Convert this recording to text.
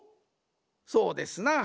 そうですな。